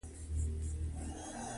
د علومو اکاډمۍ هڅې د ستاینې وړ دي.